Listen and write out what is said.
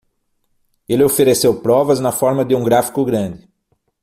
Ele ofereceu provas na forma de um gráfico grande.